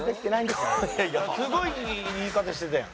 すごい言い方してたやん。